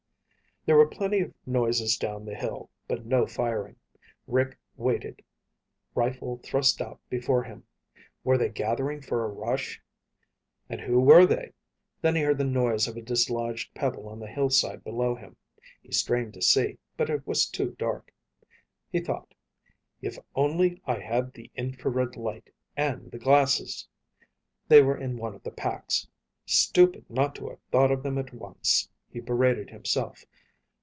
There were plenty of noises down the hill, but no firing. Rick waited, rifle thrust out before him. Were they gathering for a rush? And who were they? Then he heard the noise of a dislodged pebble on the hillside below him. He strained to see, but it was too dark. He thought: If only I had the infrared light and the glasses! They were in one of the packs. Stupid not to have thought of them at once, he berated himself.